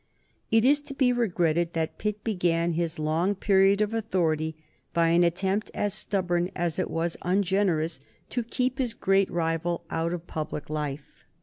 It is to be regretted that Pitt began his long period of authority by an attempt as stubborn as it was ungenerous to keep his great rival out of public life.